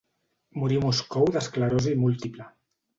Morí a Moscou d'esclerosi múltiple.